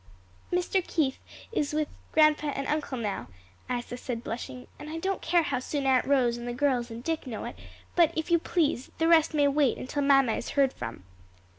"Mr. Keith is with grandpa and uncle now," Isa said, blushing, "and I don't care how soon Aunt Rose and the girls and Dick know it; but if you please, the rest may wait until mamma is heard from."